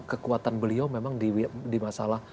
kekuatan beliau memang di masalah